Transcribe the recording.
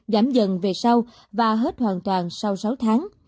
giảm dần về sau và hết hoàn toàn sau sáu tháng